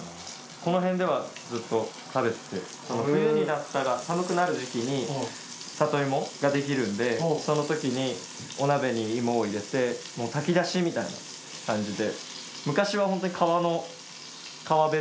このへんではずっと食べてて冬になったら寒くなる時期に里芋が出来るんでそのときにお鍋に芋を入れて炊き出しみたいな感じで。